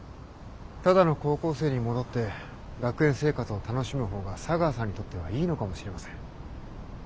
ただの高校生に戻って学園生活を楽しむ方が茶川さんにとってはいいのかもしれません。